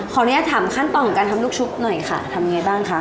ขออนุญาตถามขั้นตอนของการทำลูกชุบหน่อยค่ะทำยังไงบ้างคะ